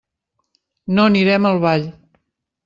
No anirem al ball.